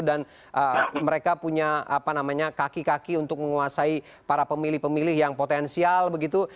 dan mereka punya apa namanya kaki kaki untuk menguasai para pemilih pemilih yang potensial begitu